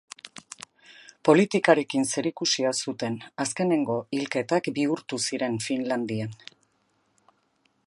Politikarekin zerikusia zuten azkenengo hilketak bihurtu ziren Finlandian.